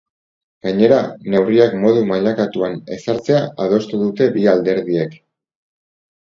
Gainera, neurriak modu mailakatuan ezartzea adostu dute bi alderdiek.